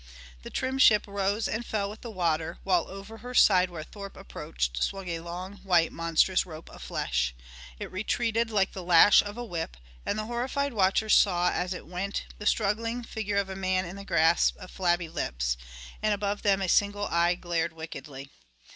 The trim ship rose and fell with the water, while over her side where Thorpe approached swung a long, white monstrous rope of flesh. It retreated like the lash of a whip, and the horrified watcher saw as it went the struggling figure of a man in the grasp of flabby lips. And above them a single eye glared wickedly.